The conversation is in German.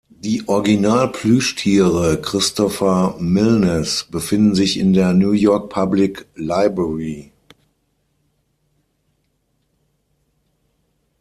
Die Original-Plüschtiere Christopher Milnes befinden sich in der New York Public Library.